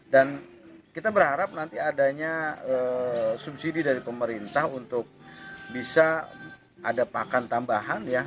dan kita berharap nanti adanya subsidi dari pemerintah untuk bisa ada pakan tambahan ya